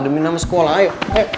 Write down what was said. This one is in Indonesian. demi nama sekolah ayo